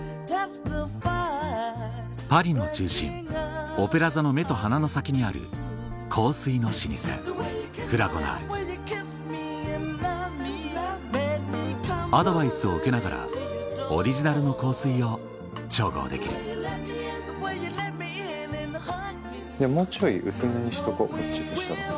パリの中心オペラ座の目と鼻の先にある香水の老舗Ｆｒａｇｏｎａｒｄアドバイスを受けながらオリジナルの香水を調合できるもうちょい薄めにしとここっちそしたら。